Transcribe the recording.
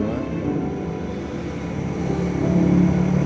mama kemana sih ma